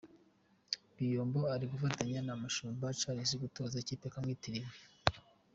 Biyombo ari gufatanya na Mushumba Charles gutoza ikipe yari yamwitiriwe.